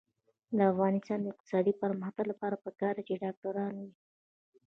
د افغانستان د اقتصادي پرمختګ لپاره پکار ده چې ډاکټران وي.